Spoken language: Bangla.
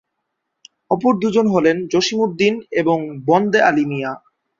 অপর দুজন হলেন জসীম উদ্ দীন এবং বন্দে আলী মিয়া।